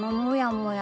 もや！